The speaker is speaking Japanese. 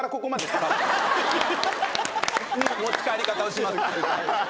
そんな持ち帰り方をします。